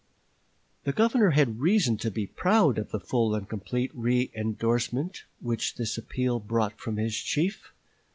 " The Governor had reason to be proud of the full and complete reëndorsement which this appeal brought from his chief.